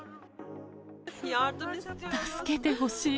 助けてほしい。